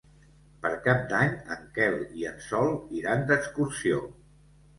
Per Cap d'Any en Quel i en Sol iran d'excursió.